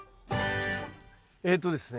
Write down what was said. えっとですね